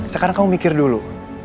sekarang kamu mikir dulu